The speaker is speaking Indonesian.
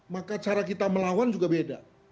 maka cara kita melawan juga beda